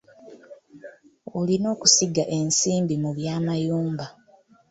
Olina okusiga ensimbi mu by'amayumba.